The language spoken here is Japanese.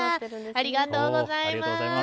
ありがとうございます。